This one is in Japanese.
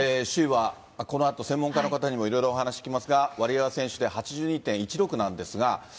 首位はこのあと専門家の方にもいろいろお話聞きますが、ワリエワ選手で８２．１６なんですが。